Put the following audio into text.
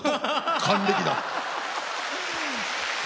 還暦だ。